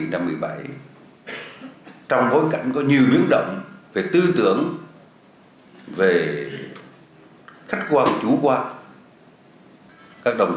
năm hai nghìn một mươi bảy trong bối cảnh có nhiều biến động về tư tưởng về khách quan chủ quan các đồng